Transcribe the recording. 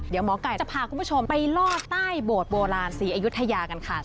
เดี๋ยวหมอกัยจะพาคุณผู้ชมไปรอดใต้โบราณสี่อายุทธยากันค่ะ